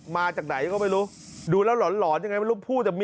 มาจากไหนก็ไม่รู้ดูแล้วหลอนยังไงไม่รู้พูด